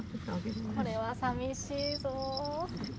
これはさみしいぞ。